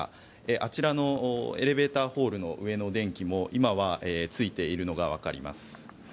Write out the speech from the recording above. あちらのエレベーターホールの上の電気も今はついているのがわかります。